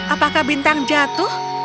apakah bintang jatuh